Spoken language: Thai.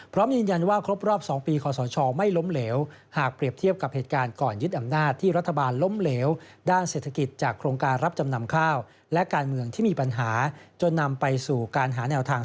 พร้อมยืนยันว่าครบรอบ๒ปีขสชไม่ล้มเหลว